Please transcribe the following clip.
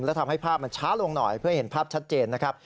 และทำให้ภาพมันช้าลงหน่อยเพื่อให้เห็นภาพชัดเจนนะครับ